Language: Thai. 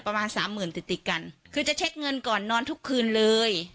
ประมาณสามหมื่นติดติดกันคือจะเช็คเงินก่อนนอนทุกคืนเลย